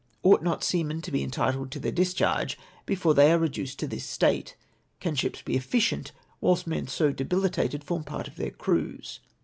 Ought not seamen to be entitled to their discharge before they are reduced to this state ? Can ships be efficient whilst men so debilitated form part of their crews?